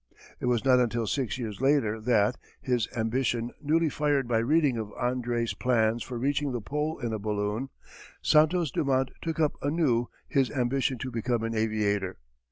It was not until six years later that, his ambition newly fired by reading of Andrée's plans for reaching the Pole in a balloon, Santos Dumont took up anew his ambition to become an aviator.